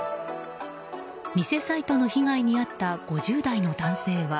偽サイトの被害に遭った５０代の男性は。